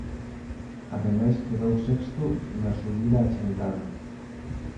Ademais quedou sexto na Subida a Chantada.